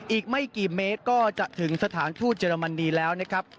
อีกไม่กี่เมตรก็จะถึงสถานทูตเยอรมนีแล้วนะครับ